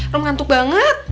rom ngantuk banget